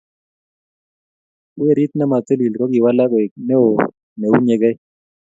werit ne ma tilil ko kiwalak koek neo ne unyegei